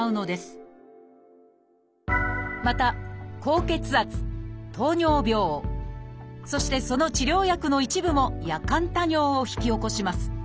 また高血圧・糖尿病そしてその治療薬の一部も夜間多尿を引き起こします。